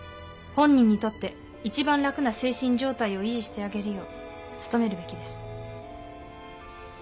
本人にとって一番楽な精神状態を維持してあげるよう努めるべきです。